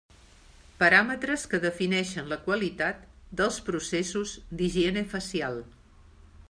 Paràmetres que defineixen la qualitat dels processos d'higiene facial.